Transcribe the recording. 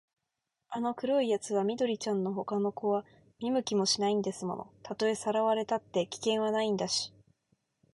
あの黒いやつは緑ちゃんのほかの子は見向きもしないんですもの。たとえさらわれたって、危険はないんだし、